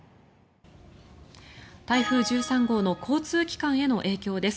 台風１３号の交通機関への影響です。